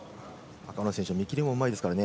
赤の選手は見切りもうまいですからね。